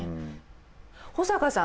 保坂さん